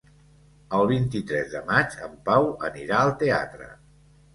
El vint-i-tres de maig en Pau anirà al teatre.